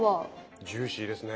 ジューシーですね。